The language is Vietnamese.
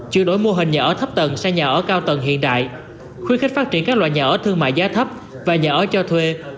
chuyển đổi mô hình nhà ở thấp tầng sang nhà ở cao tầng hiện đại khuyến khích phát triển các loại nhà ở thương mại giá thấp và nhà ở cho thuê